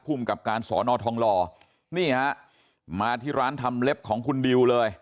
กับการสอนอทองหล่อนี่ฮะมาที่ร้านทำเล็บของคุณดิวเลย